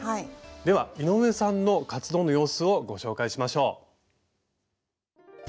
では井上さんの活動の様子をご紹介しましょう。